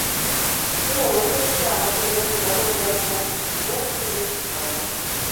Te no lidmašīnām, acīmredzami, atdalījās bumbas, kas nokrita un izsprāga.